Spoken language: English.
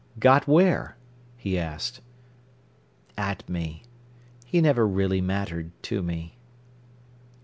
"Got where?" he asked. "At me. He never really mattered to me."